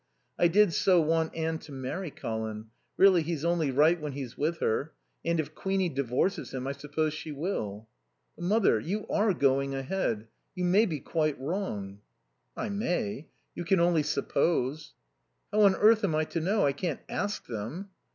I did so want Anne to marry Colin really he's only right when he's with her and if Queenie divorces him I suppose she will." "But, mother, you are going ahead. You may be quite wrong." "I may. You can only suppose " "How on earth am I to know? I can't ask them."